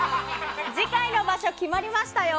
次回の場所、決まりましたよ！